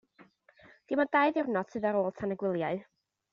Dim ond dau ddiwrnod sydd ar ôl tan y gwyliau.